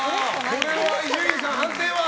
これは伊集院さん、判定は？